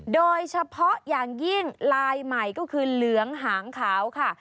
โดยเฉพาะอย่างยิ่งลายใหม่ก็คือเหลืองหางขาวค่ะ